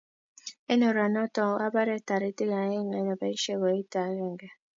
Eng oranoto abare taritik aeng abaishe koita agenge